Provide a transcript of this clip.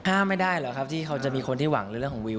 ไม่ได้หรอกครับที่เขาจะมีคนที่หวังในเรื่องของวิว